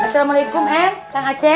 assalamualaikum em kang aceh